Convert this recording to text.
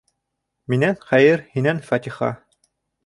Минән хәйер, һинән фатиха.